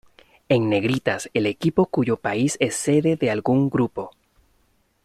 En negritas el equipo cuyo país es sede de algún grupo.